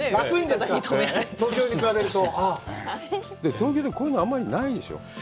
東京でこういうのあんまりないでしょう？